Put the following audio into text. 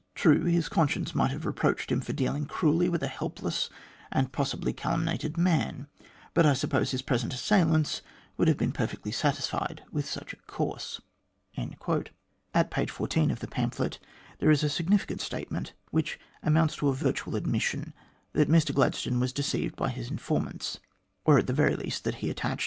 True, his conscience might have reproached him for dealing cruelly with a helpless and possibly a calumniated man ; but I suppose his present assailants would have been perfectly satisfied with such At page 14 of the pamphlet there is a significant state ment, which amounts to a virtual admission, that Mr Gladstone was deceived by his informants, or at least that he attached